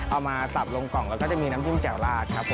มาสับลงกล่องแล้วก็จะมีน้ำจิ้มแจ่วลาดครับผม